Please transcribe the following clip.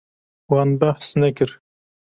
Wan behs nekir.